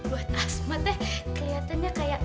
buat asma teh kelihatannya kayak